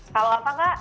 kalau apa kak